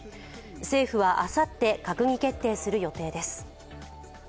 政府はあさって閣議決定する予定です。